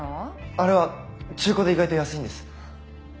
あれは中古で意外と安いんです。